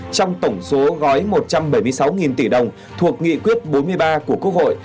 trong tổng số gói một trăm bảy mươi sáu tỷ đồng thuộc nghị quyết bốn mươi ba của quốc hội